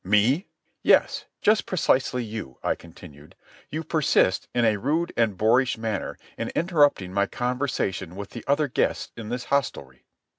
"Me?" "Yes, just precisely you," I continued. "You persist, in a rude and boorish manner, in interrupting my conversation with the other guests in this hostelry."